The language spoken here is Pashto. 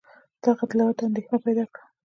دغو اطلاعاتو اندېښنه پیدا کړه.